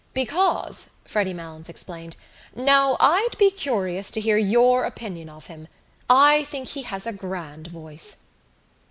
"Because," Freddy Malins explained, "now I'd be curious to hear your opinion of him. I think he has a grand voice."